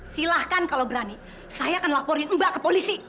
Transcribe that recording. silahkan kalau berani saya akan laporin mbak ke polisi